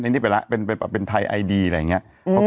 อันนี้ไปแล้วเป็นเป็นเป็นเป็นเป็นไทยไอดีอะไรอย่างเงี้ยอืม